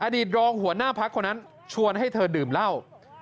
อดีตรองหัวหน้าพักคนนั้นชวนให้เธอดื่มเหล้า